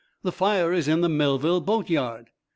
"The fire is in the Melville boatyard!"